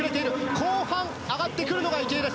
後半、上がってくるのが池江です。